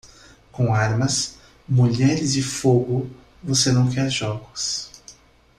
Com armas, mulheres e fogo, você não quer jogos.